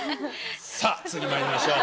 さあ次まいりましょう。